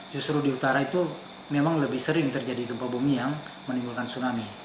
justru di utara itu memang lebih sering terjadi gempa bumi yang menimbulkan tsunami